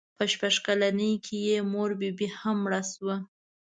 په شپږ کلنۍ کې یې مور بي بي هم مړه شوه.